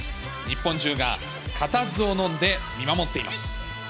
日本中が固唾をのんで見守っています。